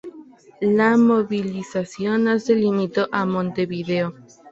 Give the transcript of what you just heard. La movilización no se limitó a Montevideo.